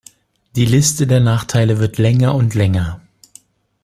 Die Liste der Nachteile wird länger und länger.